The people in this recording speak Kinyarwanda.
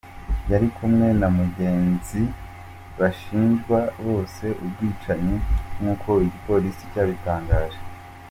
Yari kumwe na mugenzi bashinjwa bose ubwicanyi nk’uko igipolisi cyabitangaje.